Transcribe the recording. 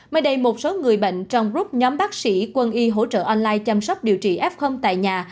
mới đây một số người bệnh trong rút nhóm bác sĩ quân y hỗ trợ online chăm sóc điều trị f tại nhà